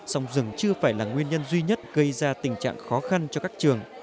sông rừng chưa phải là nguyên nhân duy nhất gây ra tình trạng khó khăn cho các trường